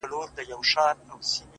خدايه ته لوی يې”